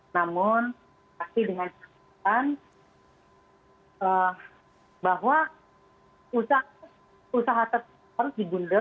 namun pasti dengan kesempatan bahwa usaha tersebut harus digundel